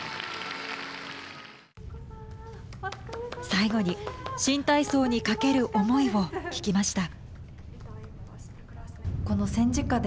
最後に新体操にかける思いを聞きました。